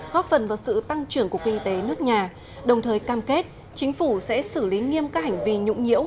góp phần vào sự tăng trưởng của kinh tế nước nhà đồng thời cam kết chính phủ sẽ xử lý nghiêm các hành vi nhũng nhiễu